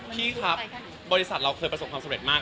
พี่ครับบริษัทเราเคยประสบความสำเร็จมาก